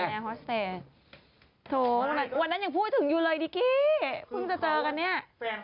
แฮชแท็กนิกกี้วันนั้นยังพูดถึงอยู่เลยดิกี้เพิ่งจะเจอกันเนี่ย